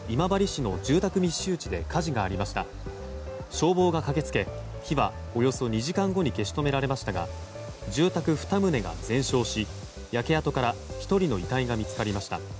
消防が駆け付け火はおよそ２時間後に消し止められましたが住宅２棟が全焼し焼け跡から１人の遺体が見つかりました。